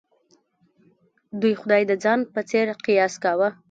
دوی خدای د ځان په څېر قیاس کاوه.